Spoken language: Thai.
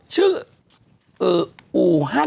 ชื่ออู่ฮัน